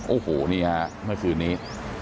โอ้โหนี่ครับแม่คืนนี้